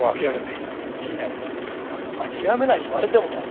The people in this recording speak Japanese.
いやいや諦めない言われてもな。